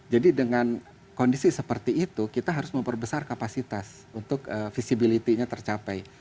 jadi dengan kondisi seperti itu kita harus memperbesar kapasitas untuk visibility nya tercapai